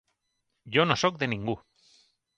Jo no soc de ningú.